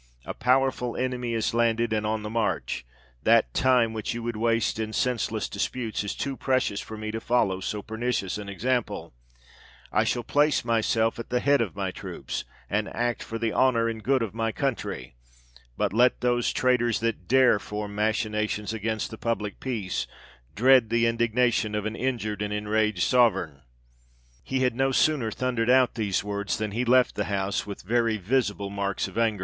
A powerful enemy is landed, and on the march : that time which you would waste in sense less disputes, is too precious for me to follow so pernicious an example : I shall place myself at the head of my troops, and act for the honour and good of my country : but let those traitors, that dare form machinations against the public peace, dread the indignation of an injured and enraged Sovereign." He had no sooner thundered out these words than he left the House, with very visible marks of anger.